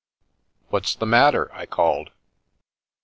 " What's the matter ?" I called.